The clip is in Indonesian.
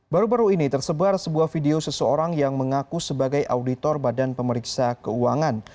baru baru ini tersebar sebuah video seseorang yang mengaku sebagai auditor badan pemeriksa keuangan